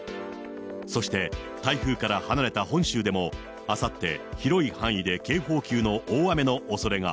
そして、台風から離れた本州でも、あさって、広い範囲で警報級の大雨のおそれが。